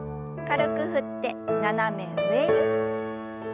軽く振って斜め上に。